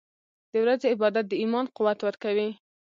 • د ورځې عبادت د ایمان قوت ورکوي.